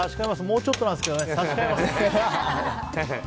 もうちょっとなんですけどね！